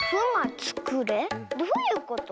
どういうこと？